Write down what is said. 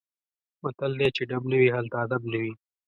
متل دی: چې ډب نه وي هلته ادب نه وي.